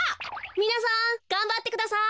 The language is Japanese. みなさんがんばってください。